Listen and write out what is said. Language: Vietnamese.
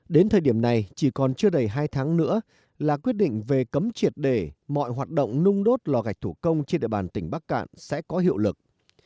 đến thời điểm này chỉ còn chưa đầy hai tháng nữa là quyết định về cấm triệt để mọi hoạt động nung đốt lò gạch thủ công trên địa bàn tỉnh bắc cạn sẽ có hiệu lực